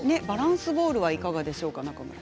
バランスボールはいかがでしょう？